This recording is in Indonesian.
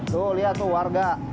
tuh lihat tuh warga